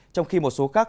trong khi một số khác